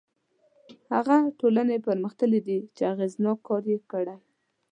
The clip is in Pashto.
هغه ټولنې پرمختللي دي چې اغېزناک کار یې کړی.